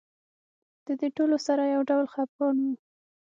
د دې ټولو سره یو ډول خپګان و.